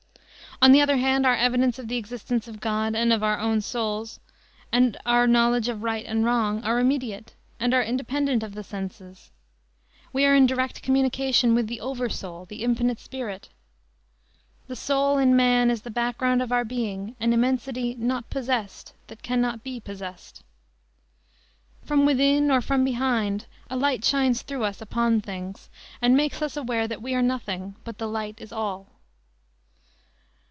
On the other hand our evidence of the existence of God and of our own souls, and our knowledge of right and wrong, are immediate, and are independent of the senses. We are in direct communication with the "Oversoul," the infinite Spirit. "The soul in man is the background of our being an immensity not possessed, that cannot be possessed." "From within or from behind a light shines through us upon things, and makes us aware that we are nothing, but the light is all."